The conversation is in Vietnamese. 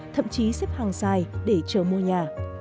thậm chí xếp hàng dài để chờ mua nhà